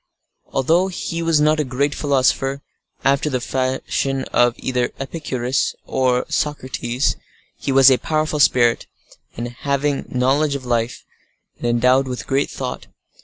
Although he was not a great philosopher, after the fashion of either Epicurus or Socrates, he was a powerful spirit, having knowledge of life, and endowed with thought.